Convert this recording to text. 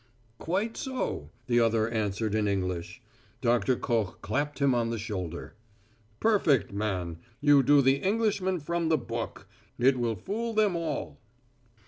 "Quite so," the other answered in English. Doctor Koch clapped him on the shoulder. "Perfect, man! You do the Englishman from the book. It will fool them all."